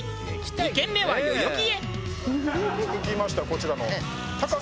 ２軒目は代々木へ。